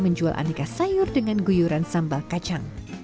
menjual aneka sayur dengan guyuran sambal kacang